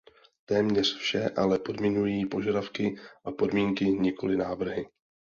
Téměř vše ale podmiňují požadavky a podmínky, nikoli návrhy.